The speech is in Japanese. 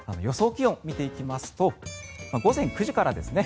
気温、見ていきますと午前９時からですね。